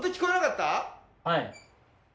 はい。